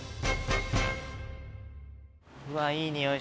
うわっいい匂い。